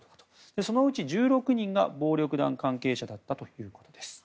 そのうち１６人が暴力団関係者だったということです。